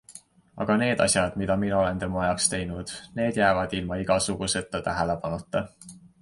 Aga need asjad, mida mina olen tema jaoks teinud, need jäävad ilma igasuguseta tähelepanuta.